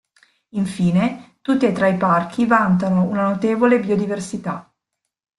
Infine, tutti e tre i parchi vantano una notevole biodiversità.